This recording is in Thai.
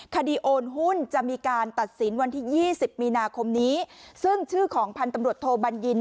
โอนหุ้นจะมีการตัดสินวันที่ยี่สิบมีนาคมนี้ซึ่งชื่อของพันธุ์ตำรวจโทบัญญิน